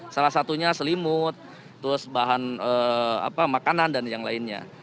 salah satunya selimut terus bahan makanan dan yang lainnya